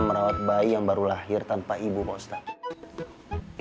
merawat bayi yang baru lahir tanpa ibu pak ustaz